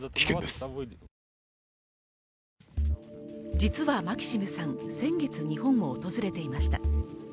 実はマキシムさん、先月日本を訪れていました。